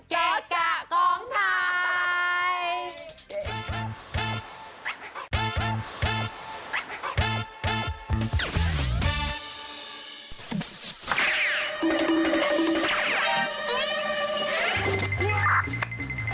เกะกะกองถ่าย